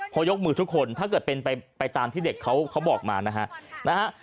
พอยกมือทุกคนถ้าเกิดเป็นไปตามที่เด็กเขาบอกมานะฮะ